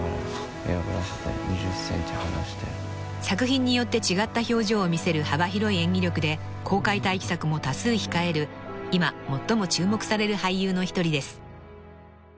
［作品によって違った表情を見せる幅広い演技力で公開待機作も多数控える今最も注目される俳優の一人です］